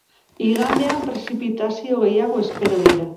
Igandean prezipitazio gehiago espero dira.